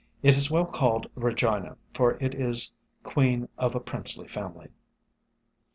It is well called Regina, for it is Queen of a princely family.